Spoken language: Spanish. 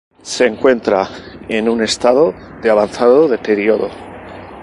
Se encuentra en un estado de avanzado deterioro.